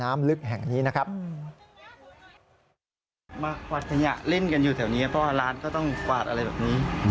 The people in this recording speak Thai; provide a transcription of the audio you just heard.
ใช่แล้วเก๊ก็ตกไปมากวาดกันอยู่๓คน